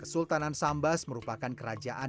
kesultanan sambas merupakan kerajaan